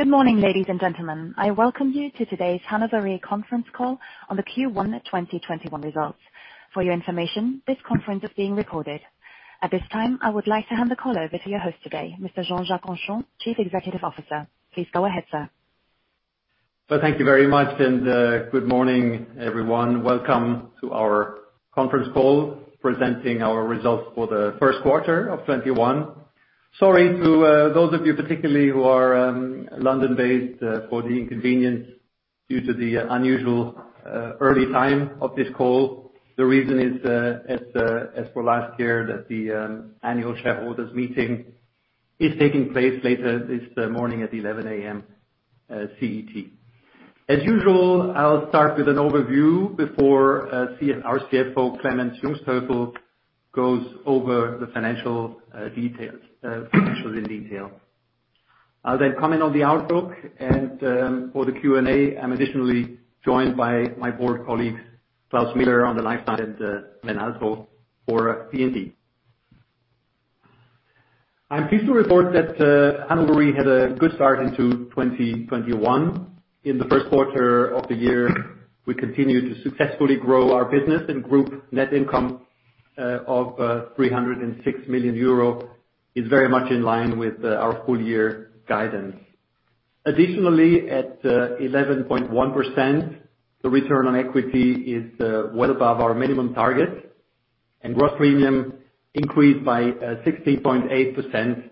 Good morning, ladies and gentlemen. I welcome you to today's Hannover Re Conference Call on the Q1 2021 results. For your information, this conference is being recorded. At this time, I would like to hand the call over to your host today, Mr. Jean-Jacques Henchoz, Chief Executive Officer. Please go ahead, sir. Thank you very much, and good morning, everyone. Welcome to our conference call, presenting our results for the first quarter of 2021. Sorry to those of you particularly who are London-based for the inconvenience due to the unusual early time of this call. The reason is, as for last year, that the annual shareholders' meeting is taking place later this morning at 11:00 A.M. CET. As usual, I'll start with an overview before our CFO, Clemens Jungsthöfel, goes over the financials in detail. I'll then comment on the outlook. For the Q&A, I'm additionally joined by my board colleagues, Klaus Miller on the life side, and Svec Althoff for P&C. I'm pleased to report that Hannover Re had a good start into 2021. In the first quarter of the year, we continued to successfully grow our business and group net income of 306 million euro is very much in line with our full year guidance. Additionally, at 11.1%, the return on equity is well above our minimum target, and gross premium increased by 16.8%,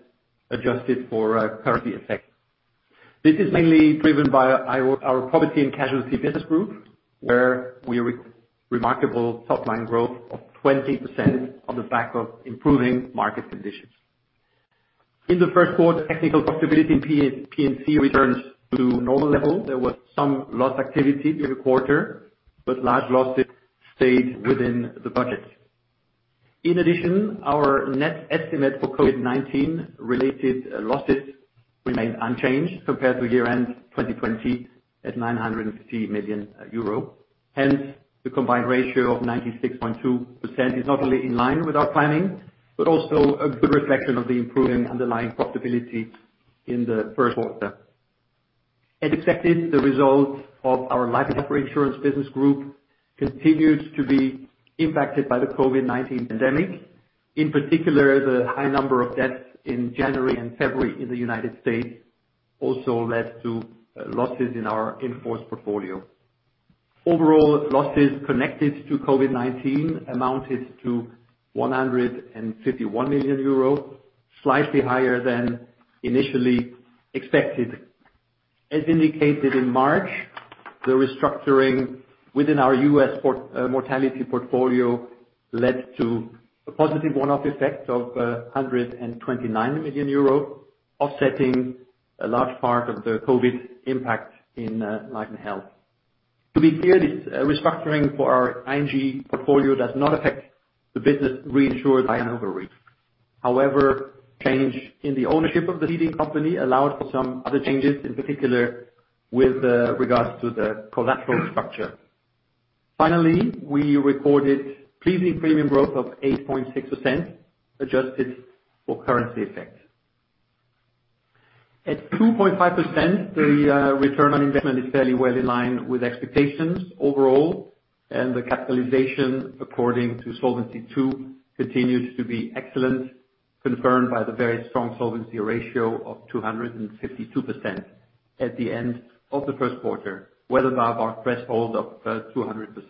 adjusted for currency effect. This is mainly driven by our property and casualty business group, where we reaped remarkable top-line growth of 20% on the back of improving market conditions. In the first quarter, technical profitability in P&C returned to normal levels. There was some loss activity every quarter, but large losses stayed within the budget. In addition, our net estimate for COVID-19 related losses remained unchanged compared to year-end 2020, at 950 million euro. The combined ratio of 96.2% is not only in line with our planning, but also a good reflection of the improving underlying profitability in the first quarter. As expected, the result of our life and health reinsurance business group continued to be impacted by the COVID-19 pandemic. In particular, the high number of deaths in January and February in the United States also led to losses in our in-force portfolio. Overall, losses connected to COVID-19 amounted to 151 million euros, slightly higher than initially expected. As indicated in March, the restructuring within our U.S. mortality portfolio led to a positive one-off effect of 129 million euro, offsetting a large part of the COVID impact in life and health. To be clear, this restructuring for our ING portfolio does not affect the business reinsured by Hannover Re. However, change in the ownership of the leading company allowed for some other changes, in particular with regards to the collateral structure. Finally, we recorded pleasing premium growth of 8.6%, adjusted for currency effect. At 2.5%, the return on investment is fairly well in line with expectations overall, and the capitalization according to Solvency II continues to be excellent, confirmed by the very strong solvency ratio of 252% at the end of the first quarter, well above our threshold of 200%.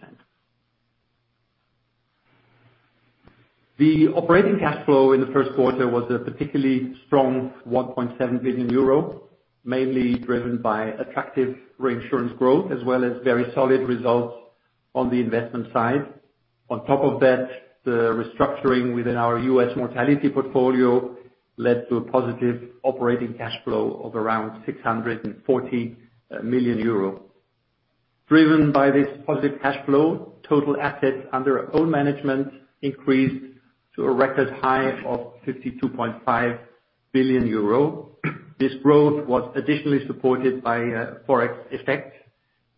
The operating cash flow in the first quarter was a particularly strong 1.7 billion euro, mainly driven by attractive reinsurance growth, as well as very solid results on the investment side. On top of that, the restructuring within our U.S. mortality portfolio led to a positive operating cash flow of around 640 million euro. Driven by this positive cash flow, total assets under own management increased to a record high of 52.5 billion euro. This growth was additionally supported by Forex effect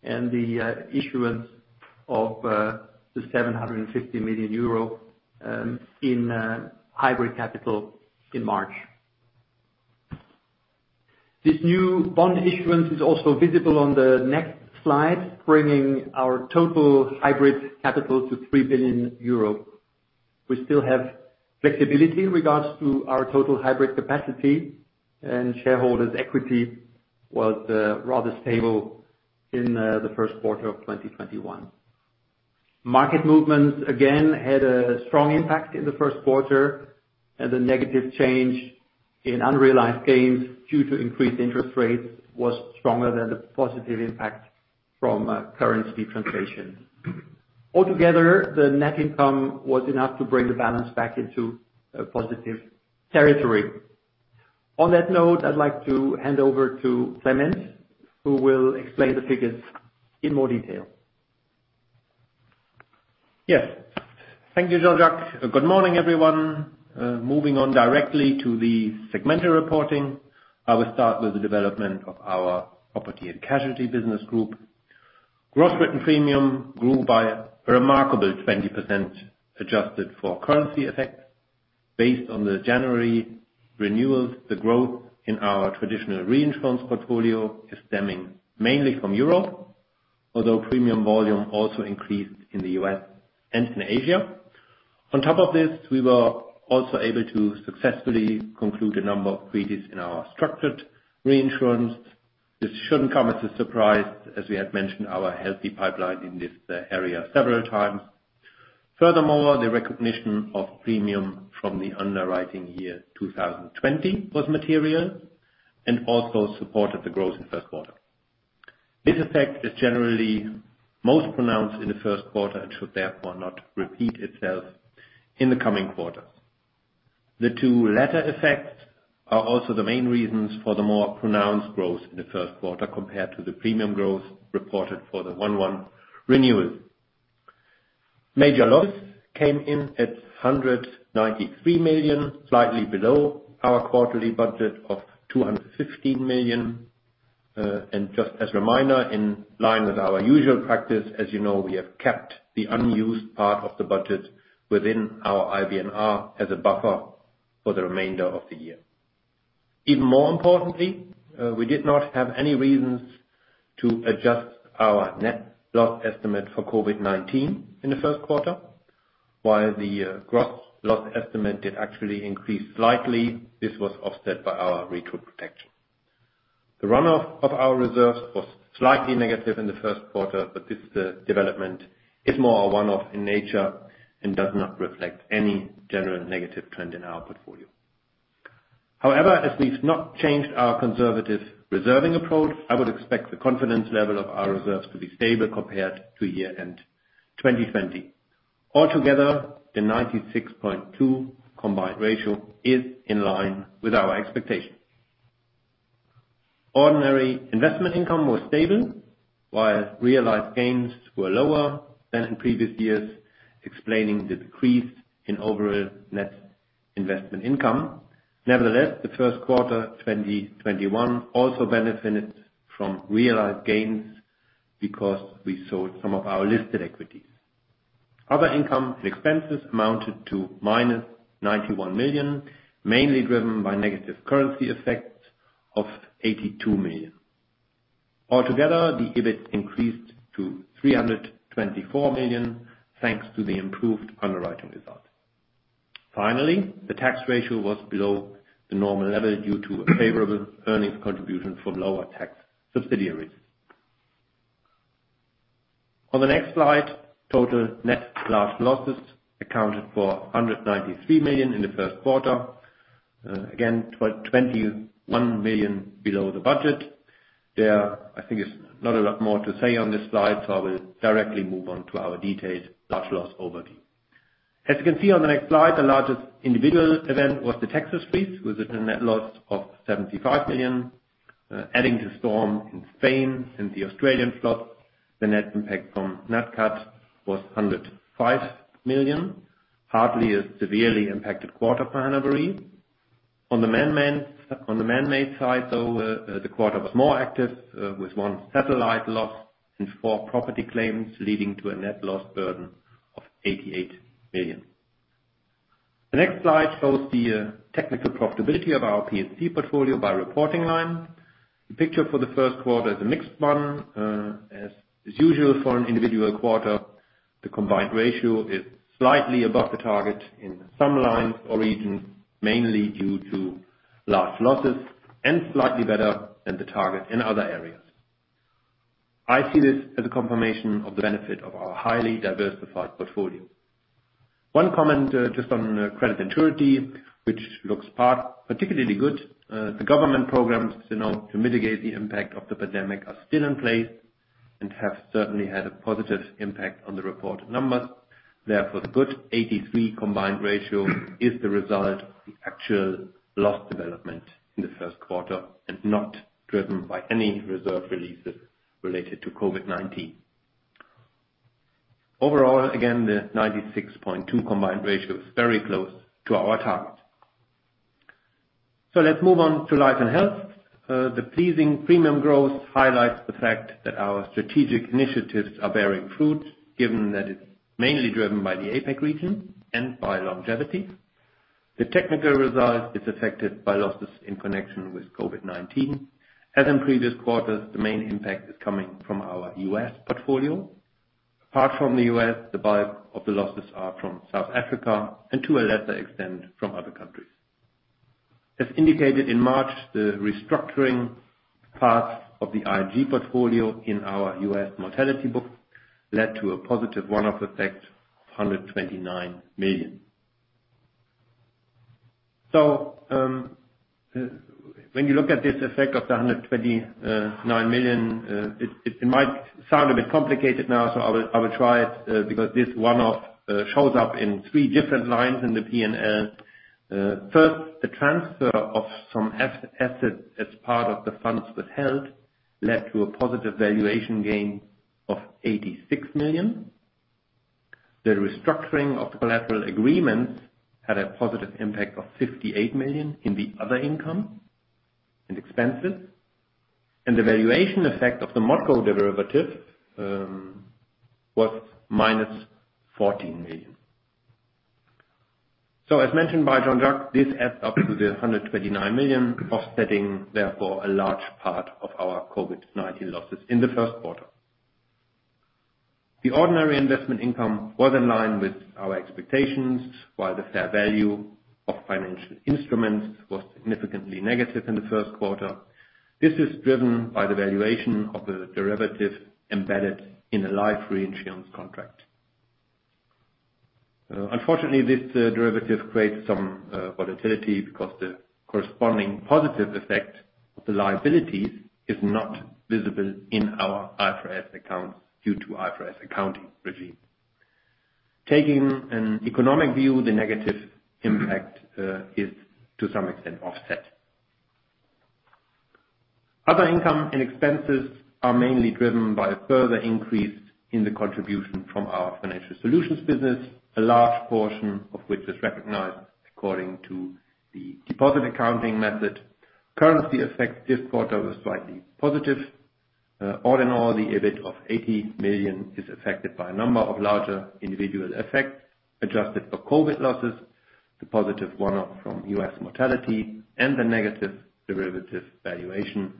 and the issuance of the 750 million euro in hybrid capital in March. This new bond issuance is also visible on the next slide, bringing our total hybrid capital to 3 billion euro. We still have flexibility in regards to our total hybrid capacity, and shareholders' equity was rather stable in the first quarter of 2021. Market movements again had a strong impact in the first quarter, and the negative change in unrealized gains due to increased interest rates was stronger than the positive impact from currency translation. Altogether, the net income was enough to bring the balance back into a positive territory. On that note, I'd like to hand over to Clemens, who will explain the figures in more detail. Yes. Thank you, Jean-Jacques. Good morning, everyone. Moving on directly to the segmental reporting. I will start with the development of our property and casualty business group. Gross written premium grew by a remarkable 20%, adjusted for currency effects based on the January renewals. The growth in our traditional reinsurance portfolio is stemming mainly from Europe, although premium volume also increased in the U.S. and in Asia. On top of this, we were also able to successfully conclude a number of treaties in our structured reinsurance. This shouldn't come as a surprise, as we had mentioned our healthy pipeline in this area several times. Furthermore, the recognition of premium from the underwriting year 2020 was material and also supported the growth in first quarter. This effect is generally most pronounced in the first quarter and should therefore not repeat itself in the coming quarters. The two latter effects are also the main reasons for the more pronounced growth in the first quarter compared to the premium growth reported for the 1/1 renewal. Major loss came in at 193 million, slightly below our quarterly budget of 215 million. Just as a reminder, in line with our usual practice, as you know, we have kept the unused part of the budget within our IBNR as a buffer for the remainder of the year. Even more importantly, we did not have any reasons to adjust our net loss estimate for COVID-19 in the first quarter. While the gross loss estimate did actually increase slightly, this was offset by our retro protection. This development is more a one-off in nature and does not reflect any general negative trend in our portfolio. However, as we've not changed our conservative reserving approach, I would expect the confidence level of our reserves to be stable compared to year-end 2020. The 96.2 combined ratio is in line with our expectations. Ordinary investment income was stable, while realized gains were lower than in previous years, explaining the decrease in overall net investment income. Nevertheless, the first quarter 2021 also benefited from realized gains because we sold some of our listed equities. Other income and expenses amounted to minus 91 million, mainly driven by negative currency effects of 82 million. The EBIT increased to 324 million, thanks to the improved underwriting result. Finally, the tax ratio was below the normal level due to a favorable earnings contribution from lower tax subsidiaries. On the next slide, total net large losses accounted for 193 million in the first quarter. Again, 21 million below the budget. There, I think it's not a lot more to say on this slide, so I will directly move on to our detailed large loss overview. As you can see on the next slide, the largest individual event was the Texas freeze with a net loss of 75 million. Adding to storm in Spain and the Australian flood, the net impact from Nat cat was 105 million, hardly a severely impacted quarter for Hannover Re. On the man-made side, though, the quarter was more active with one satellite loss and four property claims, leading to a net loss burden of 88 million. The next slide shows the technical profitability of our P&C portfolio by reporting line. The picture for the first quarter is a mixed one. As usual for an individual quarter, the combined ratio is slightly above the target in some lines or regions, mainly due to large losses, and slightly better than the target in other areas. I see this as a confirmation of the benefit of our highly diversified portfolio. One comment just on credit and surety, which looks particularly good. The government programs to mitigate the impact of the pandemic are still in place and have certainly had a positive impact on the reported numbers. Therefore, the good 83 combined ratio is the result of the actual loss development in the first quarter and not driven by any reserve releases related to COVID-19. Overall, again, the 96.2 combined ratio is very close to our target. Let's move on to Life and Health. The pleasing premium growth highlights the fact that our strategic initiatives are bearing fruit, given that it's mainly driven by the APAC region and by longevity. The technical result is affected by losses in connection with COVID-19. As in previous quarters, the main impact is coming from our U.S. portfolio. Apart from the U.S., the bulk of the losses are from South Africa and to a lesser extent, from other countries. As indicated in March, the restructuring part of the ING portfolio in our U.S. mortality book led to a positive one-off effect of 129 million. When you look at this effect of the 129 million, it might sound a bit complicated now, I will try it, because this one-off shows up in three different lines in the P&L. First, the transfer of some assets as part of the funds withheld led to a positive valuation gain of 86 million. The restructuring of the collateral agreement had a positive impact of 58 million in the other income and expenses, and the valuation effect of the ModCo derivative was -14 million. As mentioned by Jean-Jacques, this adds up to 129 million, offsetting therefore a large part of our COVID-19 losses in the first quarter. The ordinary investment income was in line with our expectations, while the fair value of financial instruments was significantly negative in the first quarter. This is driven by the valuation of the derivative embedded in a life reinsurance contract. Unfortunately, this derivative creates some volatility because the corresponding positive effect of the liabilities is not visible in our IFRS accounts due to IFRS accounting regime. Taking an economic view, the negative impact is to some extent offset. Other income and expenses are mainly driven by a further increase in the contribution from our financial solutions business, a large portion of which is recognized according to the deposit accounting method. Currency effect this quarter was slightly positive. The EBIT of 80 million is affected by a number of larger individual effects. Adjusted for COVID losses, the positive one-off from U.S. mortality, and the negative derivative valuation,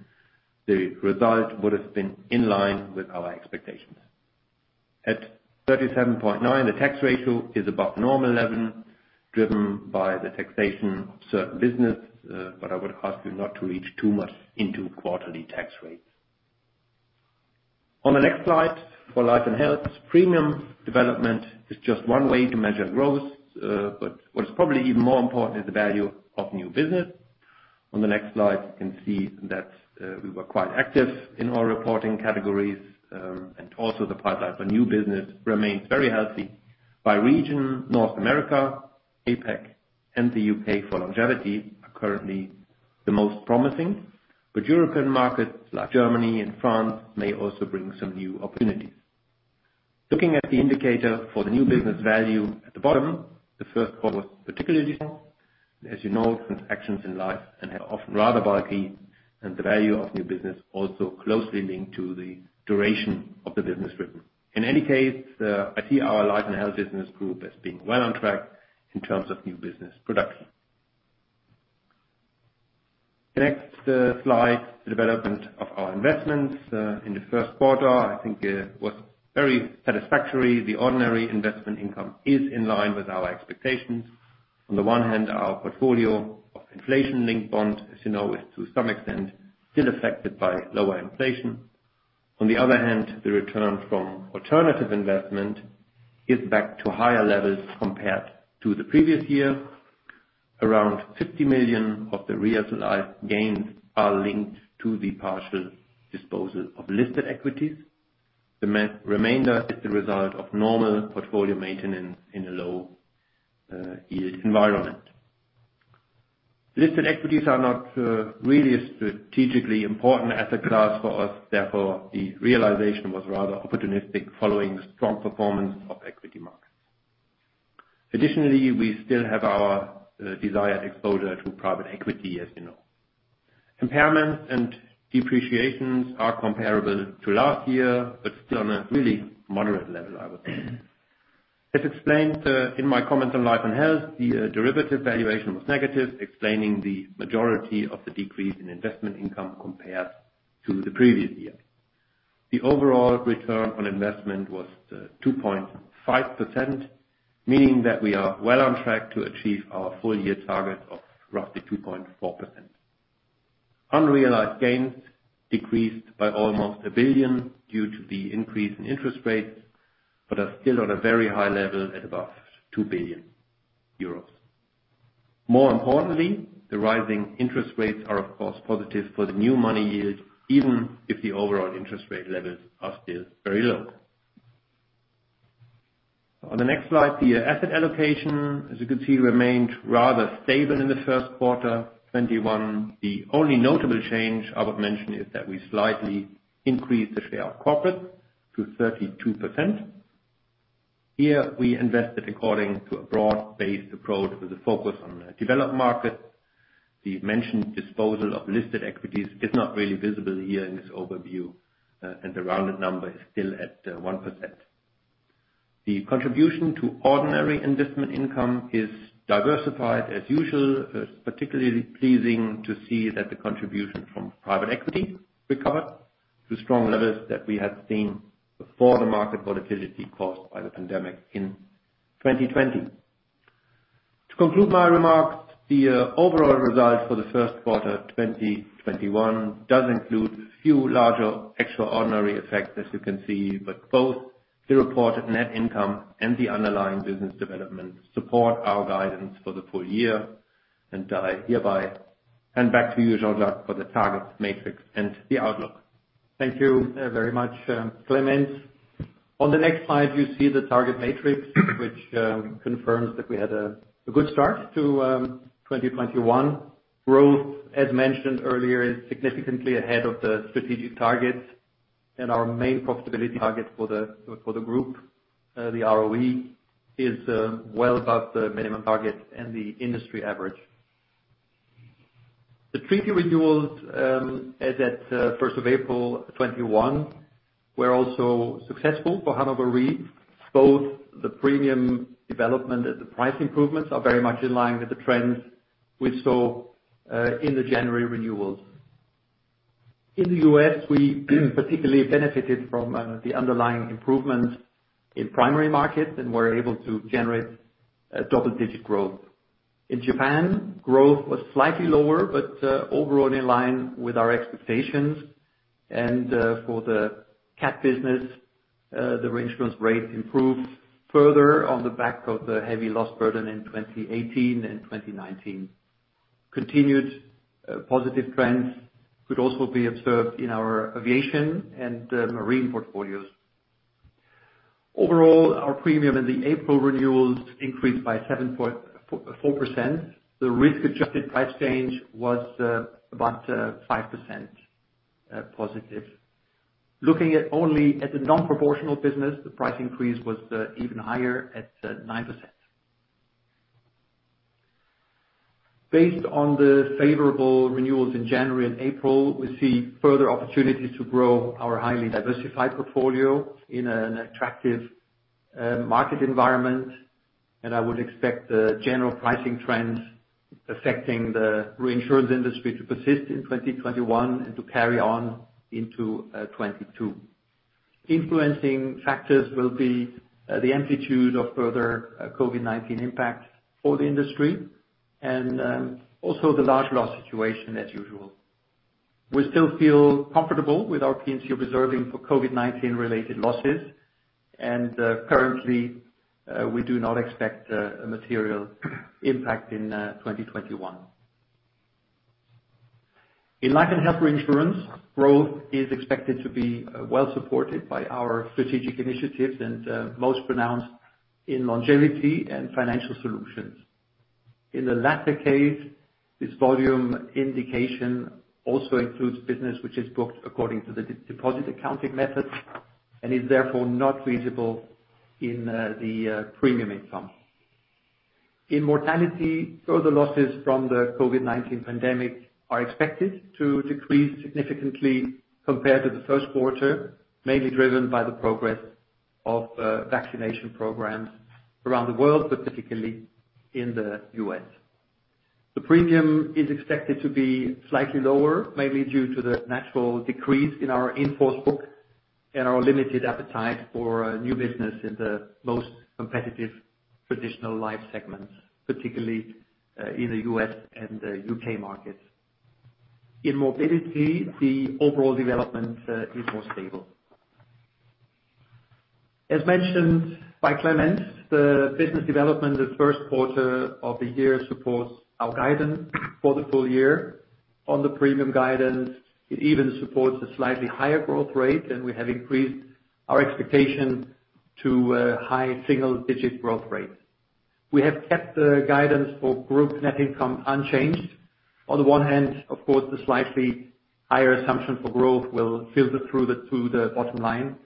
the result would have been in line with our expectations. At 37.9%, the tax ratio is above normal level, driven by the taxation of certain business. I would ask you not to read too much into quarterly tax rates. On the next slide, for life and health, premium development is just one way to measure growth, what is probably even more important is the value of new business. On the next slide, you can see that we were quite active in our reporting categories, also the pipeline for new business remains very healthy. By region, North America, APAC, and the U.K. for longevity are currently the most promising. European markets like Germany and France may also bring some new opportunities. Looking at the indicator for the new business value at the bottom, the first quarter was particularly strong. As you know, transactions in life and health are often rather bulky, the value of new business also closely linked to the duration of the business written. In any case, I see our Life and Health business group as being well on track in terms of new business production. The next slide, the development of our investments. In the first quarter, I think was very satisfactory. The ordinary investment income is in line with our expectations. On the one hand, our portfolio of inflation-linked bonds, as you know, is to some extent still affected by lower inflation. On the other hand, the return from alternative investment is back to higher levels compared to the previous year. Around 50 million of the realized gains are linked to the partial disposal of listed equities. The remainder is the result of normal portfolio maintenance in a low yield environment. Listed equities are not really a strategically important asset class for us. Therefore, the realization was rather opportunistic following strong performance of equity markets. Additionally, we still have our desired exposure to private equity, as you know. Impairments and depreciations are comparable to last year, but still on a really moderate level, I would say. As explained in my comments on Life and Health, the derivative valuation was negative, explaining the majority of the decrease in investment income compared to the previous year. The overall return on investment was 2.5%, meaning that we are well on track to achieve our full year target of roughly 2.4%. Unrealized gains decreased by almost 1 billion due to the increase in interest rates, but are still at a very high level at above 2 billion euros. More importantly, the rising interest rates are, of course, positive for the new money yield, even if the overall interest rate levels are still very low. On the next slide, the asset allocation, as you can see, remained rather stable in the first quarter 2021. The only notable change I would mention is that we slightly increased the share of corporate to 32%. Here, we invested according to a broad-based approach with a focus on developed markets. The mentioned disposal of listed equities is not really visible here in this overview, and the rounded number is still at 1%. The contribution to ordinary investment income is diversified as usual. Particularly pleasing to see that the contribution from private equity recovered to strong levels that we had seen before the market volatility caused by the pandemic in 2020. To conclude my remarks, the overall results for the first quarter 2021 does include few larger extraordinary effects, as you can see. Both the reported net income and the underlying business development support our guidance for the full year. I hereby hand back to you, Jean-Jacques, for the target matrix and the outlook. Thank you very much, Clemens. On the next slide, you see the target matrix, which confirms that we had a good start to 2021. Growth, as mentioned earlier, is significantly ahead of the strategic targets and our main profitability target for the group. The ROE is well above the minimum target and the industry average. The treaty renewals as at 1st of April 2021 were also successful for Hannover Re. Both the premium development and the price improvements are very much in line with the trends we saw in the January renewals. In the U.S., we particularly benefited from the underlying improvement in primary markets, and were able to generate double-digit growth. In Japan, growth was slightly lower, but overall in line with our expectations. For the cat business, the reinsurance rate improved further on the back of the heavy loss burden in 2018 and 2019. Continued positive trends could also be observed in our aviation and marine portfolios. Overall, our premium in the April renewals increased by 7.4%. The risk adjusted price change was about 5% positive. Looking only at the non-proportional business, the price increase was even higher at 9%. Based on the favorable renewals in January and April, we see further opportunities to grow our highly diversified portfolio in an attractive market environment, and I would expect the general pricing trends affecting the reinsurance industry to persist in 2021 and to carry on into 2022. Influencing factors will be the amplitude of further COVID-19 impact for the industry and also the large loss situation as usual. We still feel comfortable with our P&C reserving for COVID-19 related losses, and currently, we do not expect a material impact in 2021. In life and health reinsurance, growth is expected to be well supported by our strategic initiatives and most pronounced in longevity and financial solutions. In the latter case, this volume indication also includes business which is booked according to the deposit accounting method and is therefore not visible in the premium income. In mortality, further losses from the COVID-19 pandemic are expected to decrease significantly compared to the first quarter, mainly driven by the progress of vaccination programs around the world, but particularly in the U.S. The premium is expected to be slightly lower, mainly due to the natural decrease in our in-force book and our limited appetite for new business in the most competitive traditional life segments, particularly in the U.S. and U.K. markets. In morbidity, the overall development is more stable. As mentioned by Clemens, the business development this first quarter of the year supports our guidance for the full year. On the premium guidance, it even supports a slightly higher growth rate. We have increased our expectation to high single-digit growth rate. We have kept the guidance for group net income unchanged. On the one hand, of course, the slightly higher assumption for growth will filter through to the bottom line.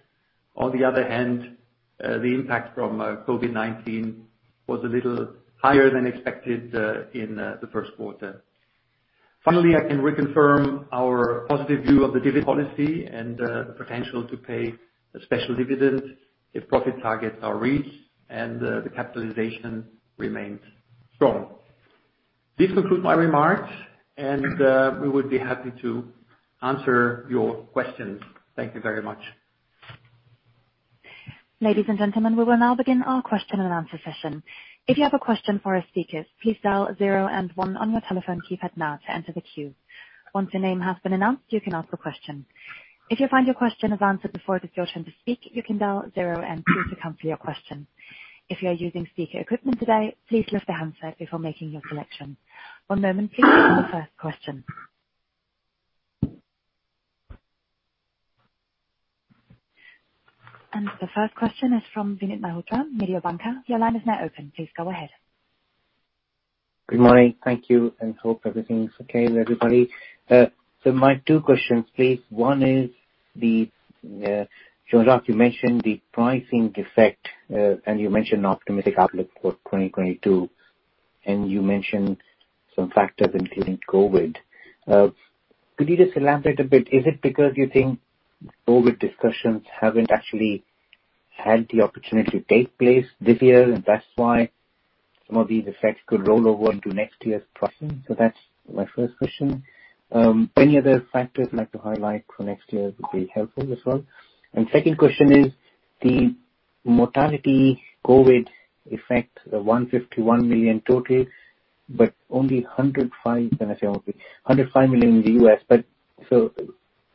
On the other hand, the impact from COVID-19 was a little higher than expected in the first quarter. Finally, I can reconfirm our positive view of the dividend policy and the potential to pay a special dividend if profit targets are reached and the capitalization remains strong. This concludes my remarks. We would be happy to answer your questions. Thank you very much. Ladies and gentlemen, we will now begin our question and answer session. If you have a question for our speakers, please dial zero and one on your telephone keypad now to enter the queue. Once your name has been announced, you can ask the question. If you find your question is answered before it's your turn to speak, you can dial zero and two to cancel your question. If you are using speaker equipment today, please lift the handset before making your selection. One moment for our first question. The first question is from Vinit Malhotra, Mediobanca. Your line is now open. Please go ahead. Good morning. Thank you, and hope everything's okay with everybody. My two questions, please. One is, Jean-Jacques, you mentioned the pricing effect, and you mentioned optimistic outlook for 2022, and you mentioned some factors including COVID. Could you just elaborate a bit? Is it because you think COVID discussions haven't actually had the opportunity to take place this year, and that's why some of these effects could roll over into next year's pricing? That's my first question. Any other factors you'd like to highlight for next year would be helpful as well. Second question is the mortality COVID effect, the 151 million total, but only 105 million in the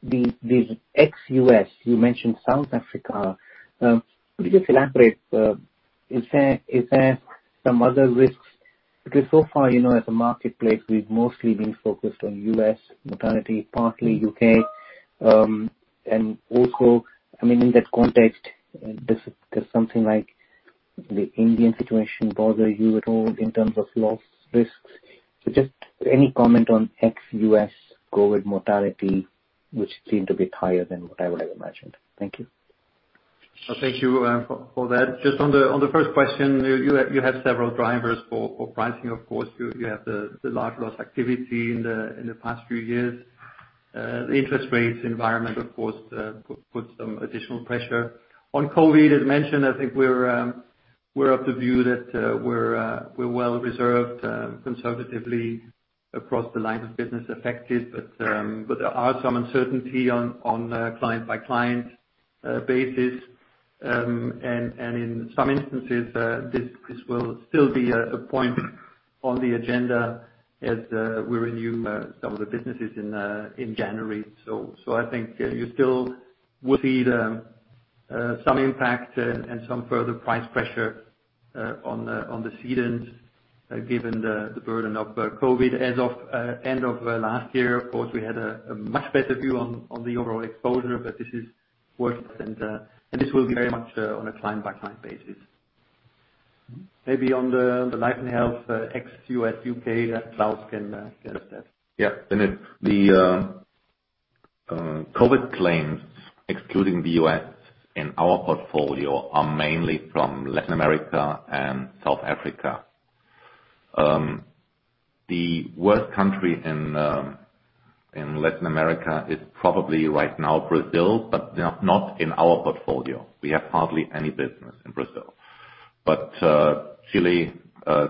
U.S. This ex-U.S., you mentioned South Africa. Could you elaborate, is there some other risks? So far, as a marketplace, we've mostly been focused on U.S. mortality, partly U.K. Also, in that context, does something like The Indian situation bother you at all in terms of loss risks? Just any comment on ex-U.S. COVID mortality, which seem to be higher than what I would have imagined. Thank you. Thank you for that. Just on the first question, you have several drivers for pricing, of course. You have the large loss activity in the past few years. The interest rates environment, of course, put some additional pressure. On COVID, as mentioned, I think we're of the view that we're well reserved conservatively across the lines of business affected. There are some uncertainty on a client-by-client basis. In some instances, this will still be a point on the agenda as we renew some of the businesses in January. I think you still will see some impact and some further price pressure on the cedants, given the burden of COVID. As of end of last year, of course, we had a much better view on the overall exposure, but this is worse. This will be very much on a client-by-client basis. Maybe on the Life & Health ex U.S., U.K., Klaus can help there. The COVID claims, excluding the U.S., in our portfolio are mainly from Latin America and South Africa. The worst country in Latin America is probably right now Brazil, not in our portfolio. We have hardly any business in Brazil. Chile,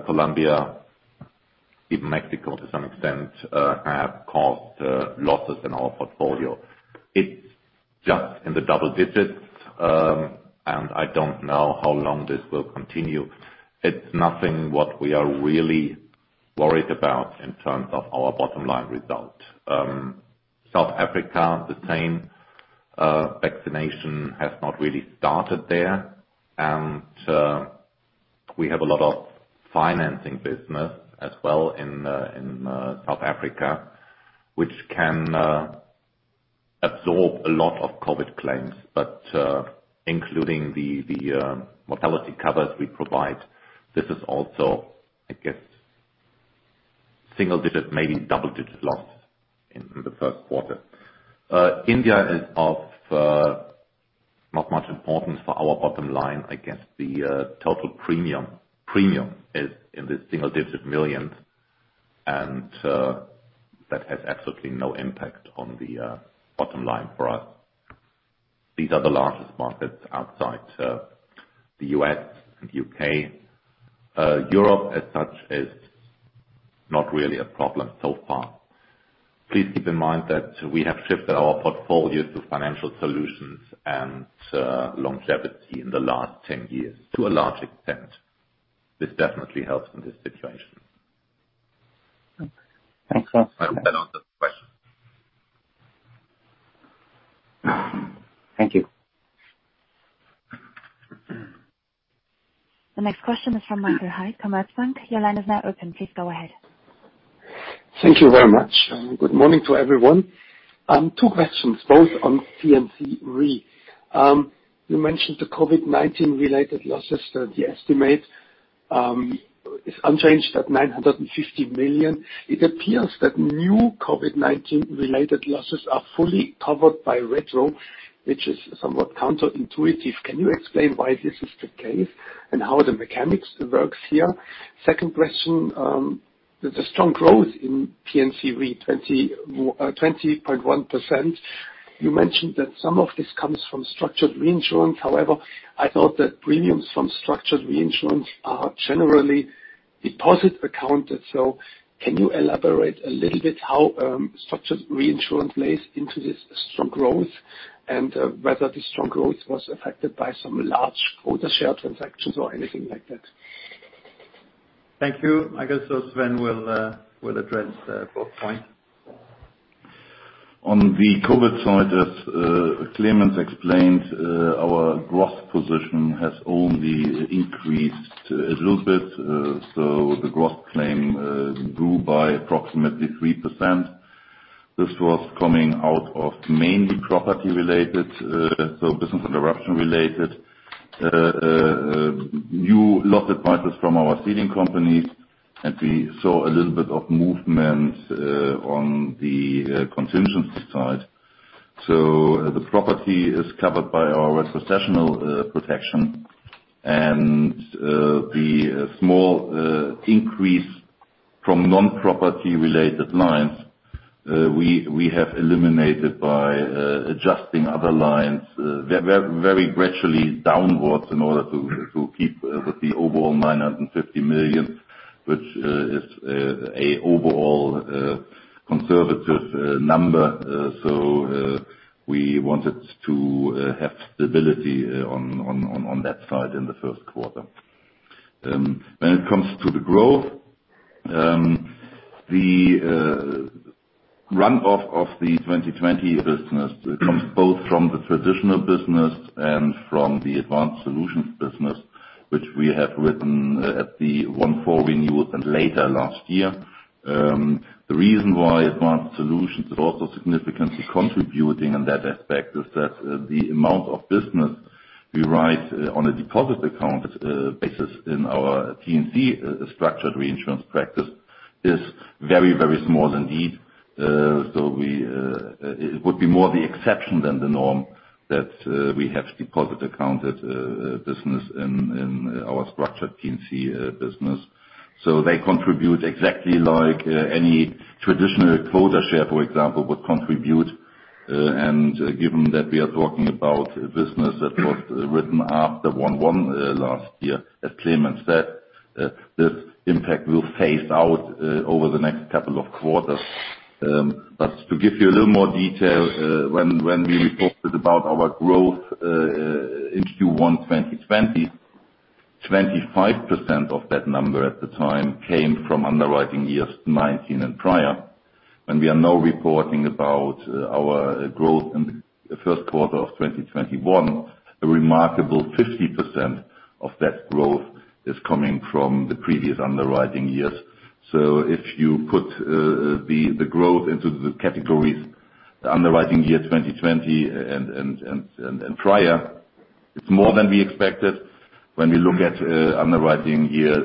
Colombia, even Mexico to some extent, have caused losses in our portfolio. It's just in the double digits, and I don't know how long this will continue. It's nothing what we are really worried about in terms of our bottom line result. South Africa, the same. Vaccination has not really started there. We have a lot of financing business as well in South Africa, which can absorb a lot of COVID claims. Including the mortality covers we provide, this is also, I guess, single digit, maybe double digit loss in the first quarter. India is of not much importance for our bottom line. I guess the total premium is in the EUR single-digit millions. That has absolutely no impact on the bottom line for us. These are the largest markets outside the U.S. and U.K. Europe, as such, is not really a problem so far. Please keep in mind that we have shifted our portfolios to Financial Solutions and longevity in the last 10 years, to a large extent. This definitely helps in this situation. Thanks a lot. I hope that answers the question. Thank you. The next question is from Michael Haid, Commerzbank. Your line is now open. Please go ahead. Thank you very much. Good morning to everyone. Two questions, both on P&C Re. You mentioned the COVID-19 related losses that the estimate is unchanged at 950 million. It appears that new COVID-19 related losses are fully covered by retro, which is somewhat counterintuitive. Can you explain why this is the case, and how the mechanics works here? Second question. The strong growth in P&C Re, 20.1%. You mentioned that some of this comes from structured reinsurance. I thought that premiums from structured reinsurance are generally deposit accounted. Can you elaborate a little bit how structured reinsurance plays into this strong growth, and whether the strong growth was affected by some large quota share transactions or anything like that? Thank you. I guess Sven will address both points. On the COVID side, as Clemens explained, our gross position has only increased a little bit. The gross claim grew by approximately 3%. This was coming out of mainly property-related, so business interruption-related, new loss advices from our ceding companies. We saw a little bit of movement on the commutations side. The property is covered by our retrocessional protection. The small increase from non-property related lines, we have eliminated by adjusting other lines very gradually downwards in order to keep with the overall 950 million, which is a overall conservative number. We wanted to have stability on that side in the first quarter. When it comes to the growth, the runoff of the 2020 business comes both from the traditional business and from the Advanced Solutions business, which we have written at the 1.4 renewal later last year. The reason why Advanced Solutions is also significantly contributing in that aspect is that the amount of business we write on a deposit account basis in our P&C structured reinsurance practice is very, very small indeed. It would be more the exception than the norm that we have deposit accounted business in our structured P&C business. They contribute exactly like any traditional quota share, for example, would contribute. Given that we are talking about business that was written after 1/1 last year, as Clemens said, this impact will phase out over the next couple of quarters. To give you a little more detail, when we reported about our growth in Q1 2020, 25% of that number at the time came from underwriting years 2019 and prior. When we are now reporting about our growth in the first quarter of 2021, a remarkable 50% of that growth is coming from the previous underwriting years. If you put the growth into the categories, the underwriting year 2020 and prior, it's more than we expected. When we look at underwriting year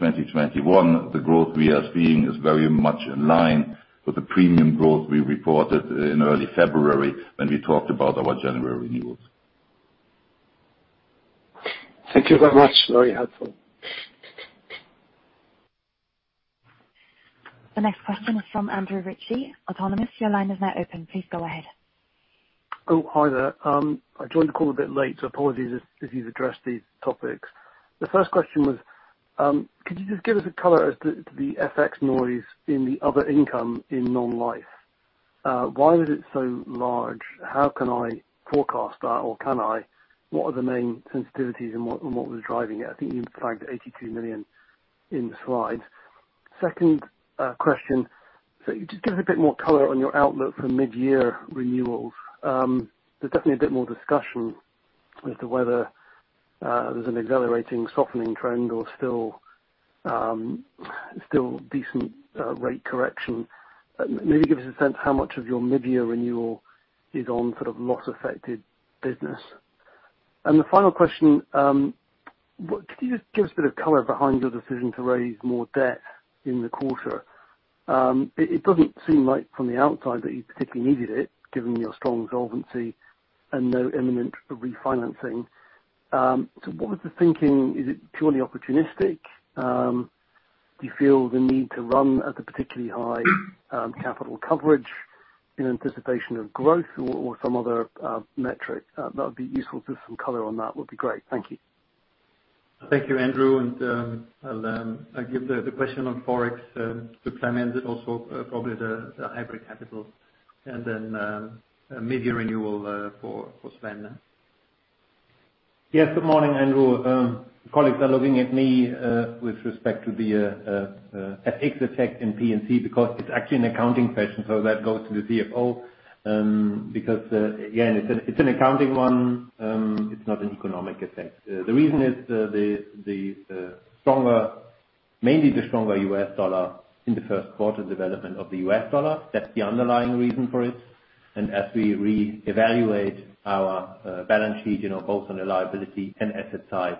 2021, the growth we are seeing is very much in line with the premium growth we reported in early February when we talked about our January renewals. Thank you very much. Very helpful. The next question is from Andrew Ritchie, Autonomous. Your line is now open. Please go ahead. Oh, hi there. I joined the call a bit late. Apologies if you've addressed these topics. The first question was, could you just give us a color as to the FX noise in the other income in non-life? Why was it so large? How can I forecast that, or can I? What are the main sensitivities and what was driving it? I think you flagged 82 million in the slide. Second question, just give us a bit more color on your outlook for mid-year renewals. There's definitely a bit more discussion as to whether there's an accelerating softening trend or still decent rate correction. Maybe give us a sense how much of your mid-year renewal is on loss-affected business. The final question, could you just give us a bit of color behind your decision to raise more debt in the quarter? It doesn't seem like from the outside that you particularly needed it, given your strong solvency and no imminent refinancing. What was the thinking? Is it purely opportunistic? Do you feel the need to run at a particularly high capital coverage in anticipation of growth or some other metric? That would be useful. Just some color on that would be great. Thank you. Thank you, Andrew, and I'll give the question on Forex to Clemens, and also probably the hybrid capital. Then mid-year renewal for Sven. Yes, good morning, Andrew. Colleagues are looking at me with respect to the FX effect in P&C, because it's actually an accounting question. That goes to the CFO. Again, it's an accounting one, it's not an economic effect. The reason is mainly the stronger U.S. dollar in the first quarter development of the U.S. dollar. That's the underlying reason for it. As we reevaluate our balance sheet, both on the liability and asset side,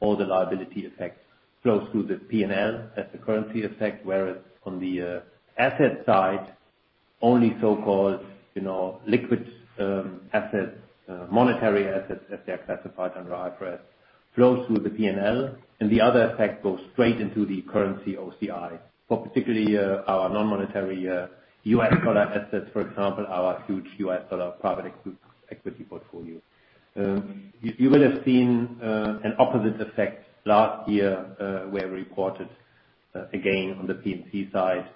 all the liability effects flow through the P&L as the currency effect. Whereas on the asset side, only so-called liquid assets, monetary assets as they are classified under IFRS, flow through the P&L. The other effect goes straight into the currency OCI, particularly our non-monetary U.S. dollar assets, for example, our huge U.S. dollar private equity portfolio. You will have seen an opposite effect last year, where we reported again on the P&C side.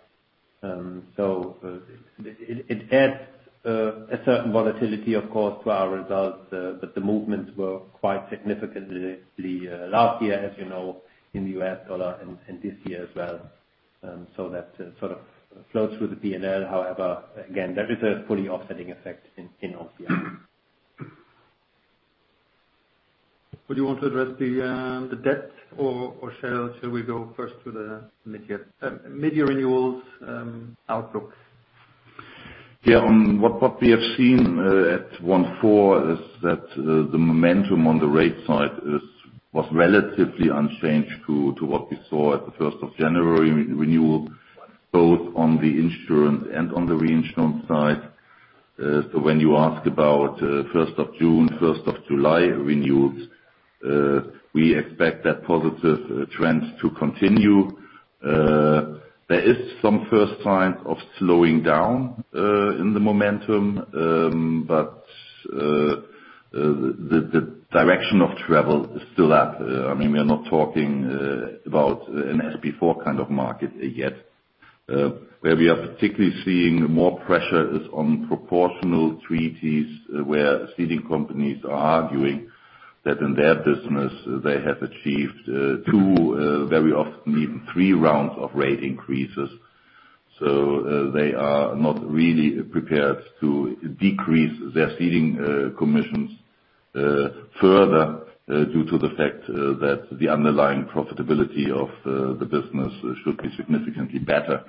It adds a certain volatility, of course, to our results. The movements were quite significantly last year, as you know, in the US dollar and this year as well. That sort of flows through the P&L. However, again, there is a fully offsetting effect in OCI. Would you want to address the debt, or shall we go first to the mid-year renewals outlook? Yeah. What we have seen at one-four is that the momentum on the rate side was relatively unchanged to what we saw at the 1st of January renewal, both on the insurance and on the reinsurance side. When you ask about 1st of June, 1st of July renewals, we expect that positive trend to continue. There is some first signs of slowing down in the momentum. The direction of travel is still up. We are not talking about an SP4 kind of market yet. Where we are particularly seeing more pressure is on proportional treaties, where ceding companies are arguing that in their business, they have achieved two, very often even three rounds of rate increases. They are not really prepared to decrease their ceding commissions further, due to the fact that the underlying profitability of the business should be significantly better.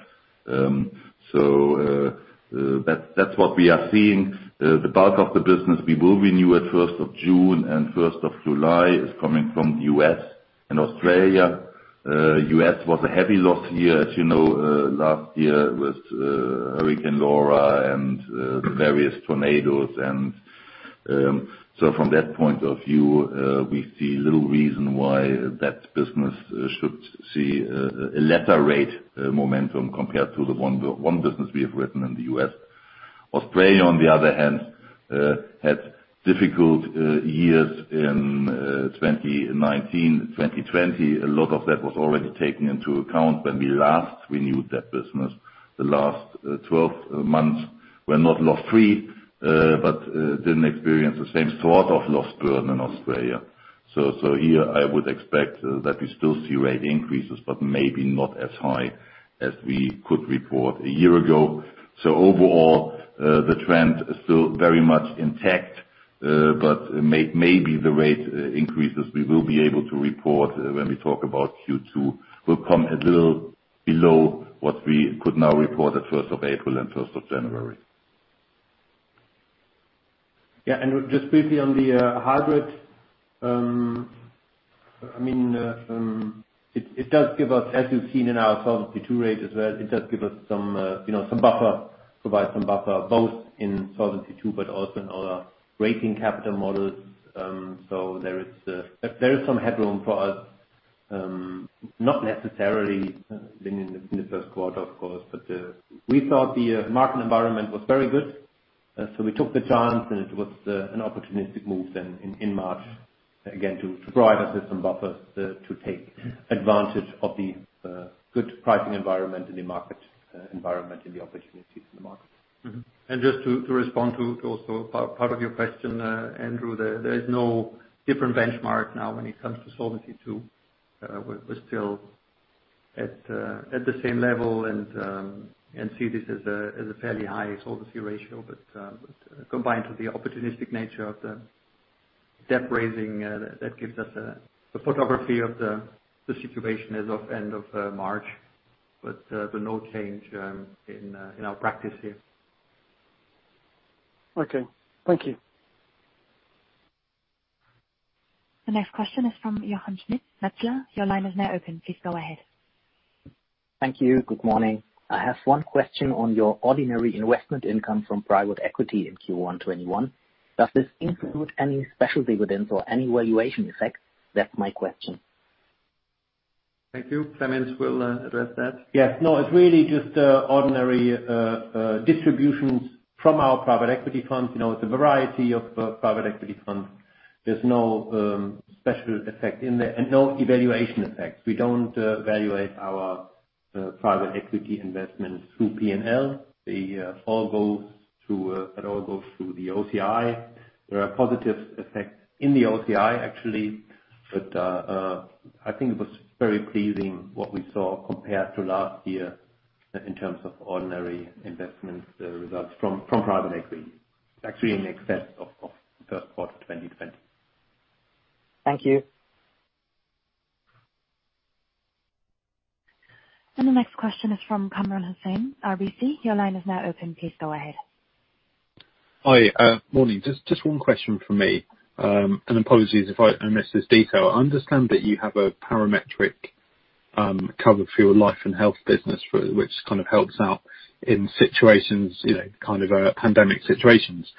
That's what we are seeing. The bulk of the business we will renew at 1st of June and 1st of July is coming from the U.S. and Australia. U.S. was a heavy loss year. As you know, last year with Hurricane Laura and various tornadoes. From that point of view, we see little reason why that business should see a lesser rate momentum compared to the one business we have written in the U.S. Australia, on the other hand, had difficult years in 2019, 2020. A lot of that was already taken into account when we last renewed that business. The last 12 months were not loss free, but didn't experience the same sort of loss burden in Australia. Here I would expect that we still see rate increases, but maybe not as high as we could report a year ago. Overall, the trend is still very much intact. Maybe the rate increases we will be able to report when we talk about Q2 will come a little below what we could now report at 1st of April and 1st of January. Just briefly on the hard rate. It does give us, as you've seen in our Solvency II rate as well, it does provide some buffer, both in Solvency II but also in our rating capital models. There is some headroom for us. Not necessarily in the first quarter, of course. We thought the market environment was very good. We took the chance, and it was an opportunistic move then in March, again, to provide us with some buffers to take advantage of the good pricing environment in the market, environment in the opportunities in the market. Just to respond to also part of your question, Andrew, there is no different benchmark now when it comes to Solvency II. We are still at the same level and see this as a fairly high solvency ratio. Combined with the opportunistic nature of the debt raising, that gives us the photography of the situation as of end of March. No change in our practice here. Okay. Thank you. The next question is from Jochen Schmitt, Metzler. Your line is now open. Please go ahead. Thank you. Good morning. I have one question on your ordinary investment income from private equity in Q1 2021. Does this include any specialty within or any valuation effect? That's my question. Thank you. Clemens will address that. Yes. No, it's really just ordinary distributions from our private equity funds. It's a variety of private equity funds. There's no special effect in there and no evaluation effect. We don't evaluate our private equity investments through P&L. They all go through the OCI. There are positive effects in the OCI, actually, but I think it was very pleasing what we saw compared to last year in terms of ordinary investment results from private equity, actually in excess of first quarter 2020. Thank you. The next question is from Kamran Hossain, RBC. Your line is now open. Please go ahead. Hi. Morning. Just one question from me. Apologies if I missed this detail. I understand that you have a parametric cover for your life and health business, which helps out in situations, pandemic situations.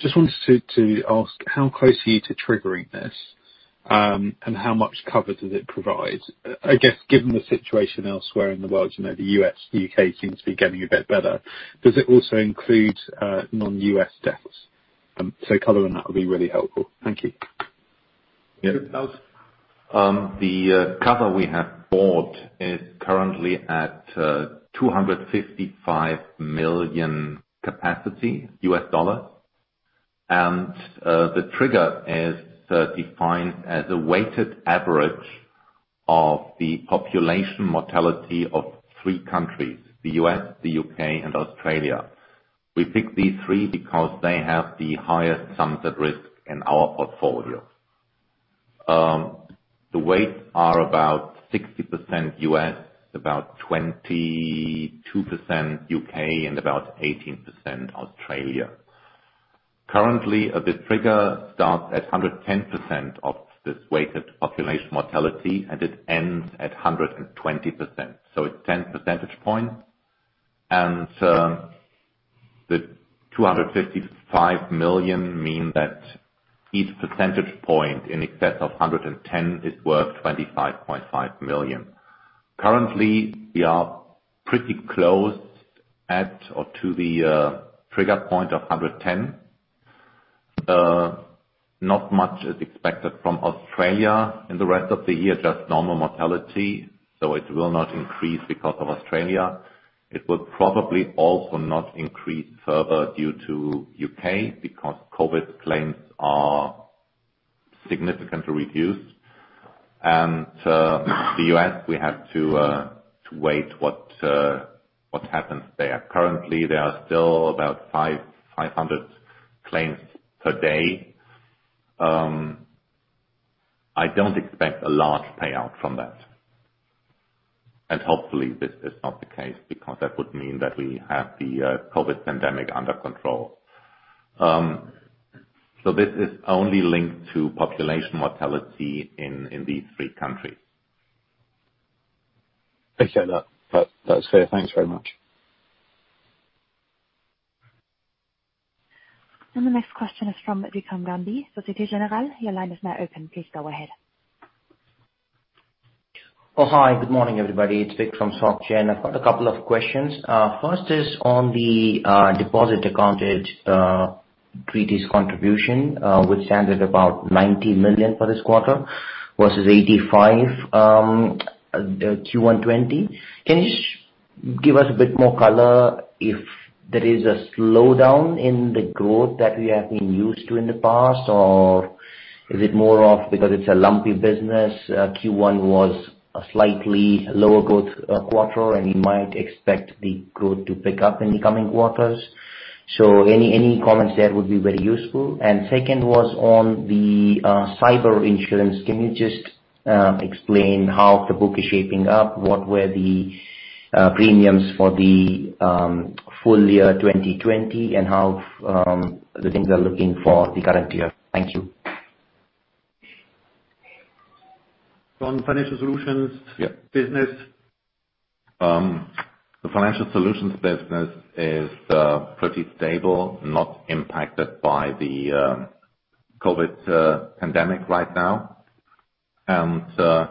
Just wanted to ask, how close are you to triggering this? How much cover does it provide? I guess given the situation elsewhere in the world, the U.S., the U.K. seems to be getting a bit better. Does it also include non-U.S. deaths? Color on that would be really helpful. Thank you. Yes. The cover we have bought is currently at $255 million capacity U.S. dollar. The trigger is defined as a weighted average of the population mortality of three countries, the U.S., the U.K., and Australia. We picked these three because they have the highest sums at risk in our portfolio. The weights are about 60% U.S., about 22% U.K., and about 18% Australia. Currently, the trigger starts at 110% of this weighted population mortality, and it ends at 120%, so it's 10 percentage points. The $255 million mean that each percentage point in excess of 110 is worth $25.5 million. Currently, we are pretty close at or to the trigger point of 110. Not much is expected from Australia in the rest of the year, just normal mortality. It will not increase because of Australia. It will probably also not increase further due to U.K. because COVID claims are significantly reduced. The U.S., we have to wait what happens there. Currently, there are still about 500 claims per day. I don't expect a large payout from that. Hopefully, this is not the case because that would mean that we have the COVID pandemic under control. This is only linked to population mortality in these three countries. Thank you. That's fair. Thanks very much. The next question is from Vikram Gandhi, Societe Generale. Your line is now open. Please go ahead. Oh, hi. Good morning, everybody. It's Vik from Societe Generale. I've got a couple of questions. First is on the deposit account treaties contribution, which stands at about 90 million for this quarter versus 85 million, Q1 2020. Can you just give us a bit more color if there is a slowdown in the growth that we have been used to in the past, or is it more of because it's a lumpy business, Q1 was a slightly lower growth quarter, and you might expect the growth to pick up in the coming quarters? Any comments there would be very useful. Second was on the cyber insurance. Can you just explain how the book is shaping up? What were the premiums for the full year 2020, and how the things are looking for the current year? Thank you. On financial solutions business. Yeah. The financial solutions business is pretty stable, not impacted by the COVID pandemic right now. We have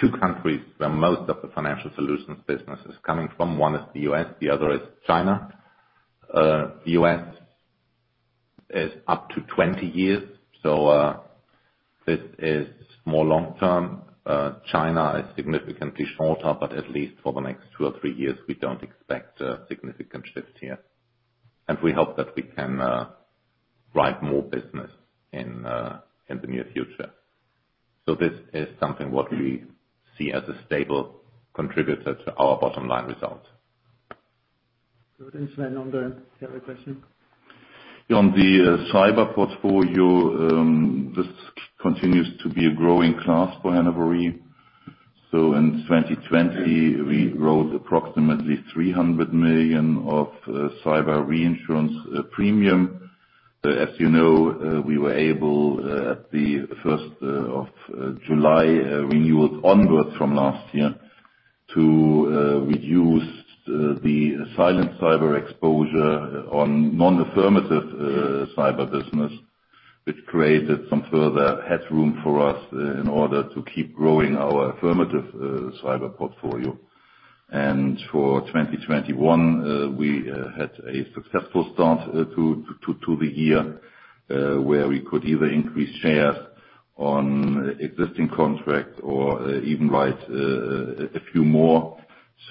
two countries where most of the financial solutions business is coming from. One is the U.S., the other is China. The U.S. is up to 20 years, so this is more long-term. China is significantly shorter, at least for the next two or three years, we don't expect a significant shift here. We hope that we can drive more business in the near future. This is something that we see as a stable contributor to our bottom line results. Good. Sven, on the other question. On the cyber portfolio, this continues to be a growing class for Hannover Re. In 2020, we wrote approximately 300 million EUR of cyber reinsurance premium. You know, we were able, at the first of July renewals onward from last year, to reduce the silent cyber exposure on non-affirmative cyber business, which created some further headroom for us in order to keep growing our affirmative cyber portfolio. For 2021, we had a successful start to the year, where we could either increase shares on existing contracts or even write a few more.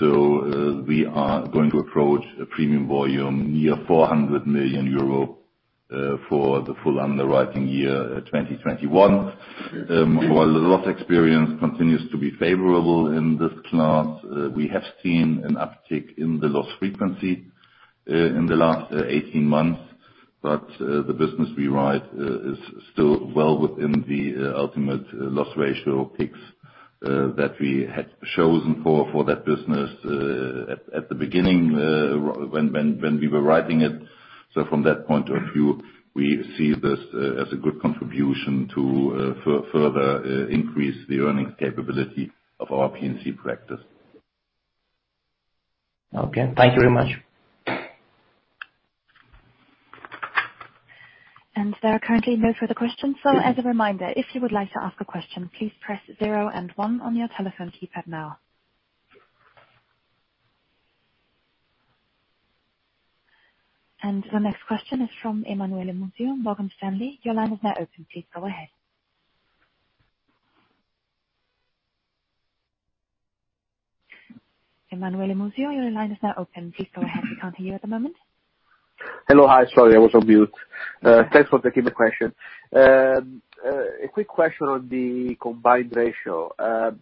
We are going to approach a premium volume near 400 million euro for the full underwriting year 2021. While the loss experience continues to be favorable in this class, we have seen an uptick in the loss frequency, in the last 18 months. The business we write is still well within the ultimate loss ratio peaks that we had chosen for that business at the beginning, when we were writing it. From that point of view, we see this as a good contribution to further increase the earnings capability of our P&C practice. Okay. Thank you very much. There are currently no further questions. As a reminder, if you would like to ask a question, please press zero and one on your telephone keypad now. The next question is from Emanuele Musio, Morgan Stanley. Your line is now open. Please go ahead. Emanuele Musio, your line is now open. Please go ahead. We can't hear you at the moment. Hello. Hi, sorry. I was on mute. Thanks for taking the question. A quick question on the combined ratio.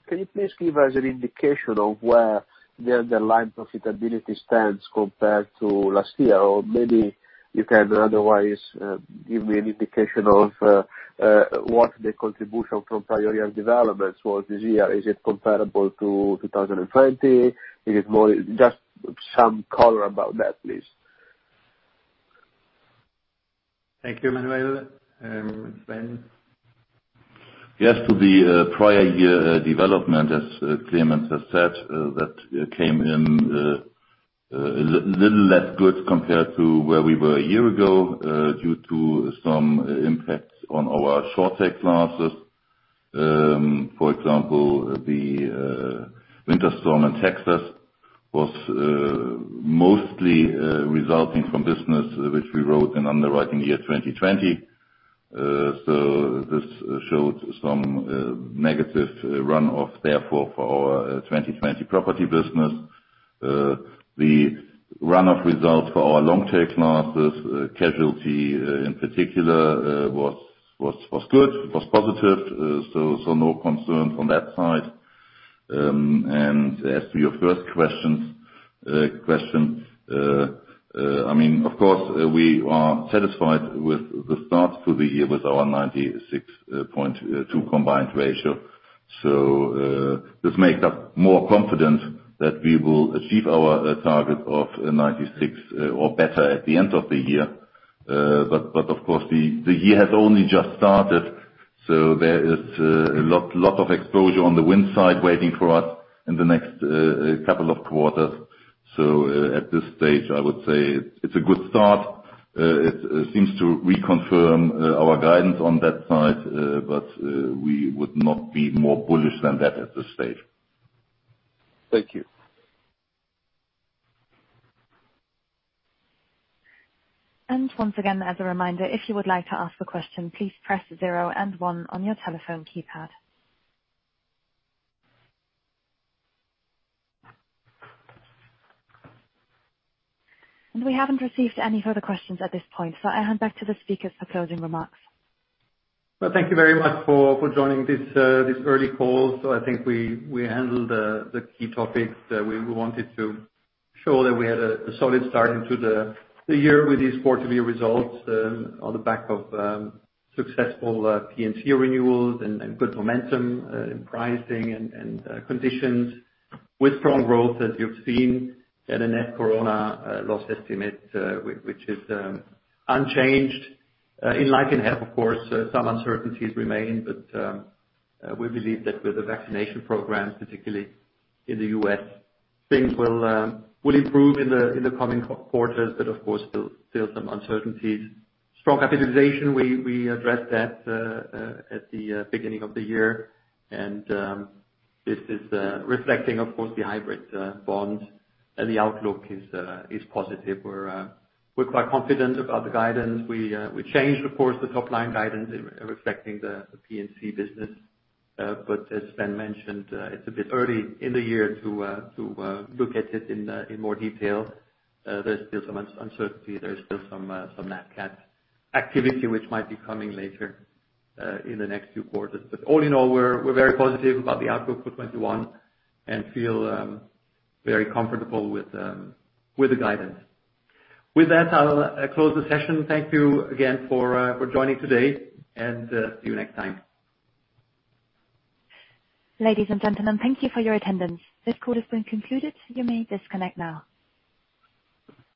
Can you please give us an indication of where the underlying profitability stands compared to last year? Maybe you can otherwise give me an indication of what the contribution from prior year developments was this year. Is it comparable to 2020? Just some color about that, please. Thank you, Emanuele. Sven. Yes. To the prior year development, as Clemens has said, that came in a little less good compared to where we were a year ago, due to some impacts on our short-tail classes. For example, the winter storm in Texas was mostly resulting from business which we wrote in underwriting year 2020. This showed some negative run-off, therefore, for our 2020 property business. The run-off results for our long-tail classes, casualty in particular, was good, was positive. No concerns on that side. As to your first question, of course, we are satisfied with the start to the year with our 96.2 combined ratio. This makes us more confident that we will achieve our target of 96 or better at the end of the year. Of course, the year has only just started, so there is a lot of exposure on the wind side waiting for us in the next couple of quarters. At this stage, I would say it's a good start. It seems to reconfirm our guidance on that side, but we would not be more bullish than that at this stage. Thank you. Once again, as a reminder, if you would like to ask a question, please press zero and one on your telephone keypad. We haven't received any further questions at this point, so I hand back to the speakers for closing remarks. Well, thank you very much for joining this early call. I think we handled the key topics. We wanted to show that we had a solid start into the year with these quarterly results on the back of successful P&C renewals and good momentum in pricing and conditions with strong growth, as you've seen, net corona loss estimate, which is unchanged. In life and health, of course, some uncertainties remain. We believe that with the vaccination programs, particularly in the U.S., things will improve in the coming quarters, of course, still some uncertainties. Strong capitalization, we addressed that at the beginning of the year. This is reflecting, of course, the hybrid bonds, and the outlook is positive. We're quite confident about the guidance. We changed, of course, the top line guidance reflecting the P&C business. As Sven mentioned, it's a bit early in the year to look at it in more detail. There's still some uncertainty. There's still some NatCat activity which might be coming later in the next few quarters. All in all, we're very positive about the outlook for 2021 and feel very comfortable with the guidance. With that, I'll close the session. Thank you again for joining today, and see you next time. Ladies and gentlemen, thank you for your attendance. This call has been concluded. You may disconnect now.